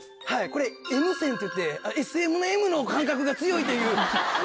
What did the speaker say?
これＭ線っていってＳＭのＭの感覚が強いというちょっと。